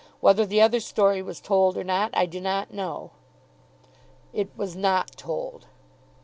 Whether the other story was told or not I do not know." "It was not told."